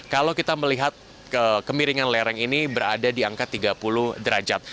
kalau kita melihat kemiringan lereng ini berada di angka tiga puluh derajat